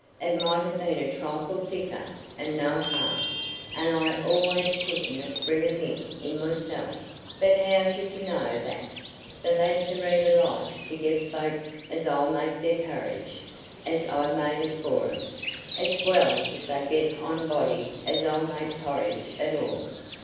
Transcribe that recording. It might ha' been a trifle thicker an' no harm, an' I allays putten a sprig o' mint in mysen; but how's ye t' know that? The lads arena like to get folks as 'll make their parridge as I'n made it for 'em; it's well if they get onybody as 'll make parridge at all.